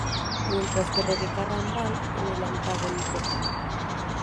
Mientras que Rebeca Rambal en el antagónico.